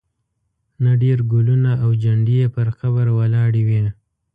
نه ډېر ګلونه او جنډې یې پر قبر ولاړې وې.